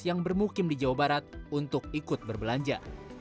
yang bermukim di jawa barat untuk ikut berbelanja